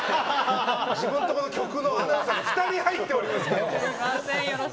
自分とこの局のアナウンサーが２人入っています。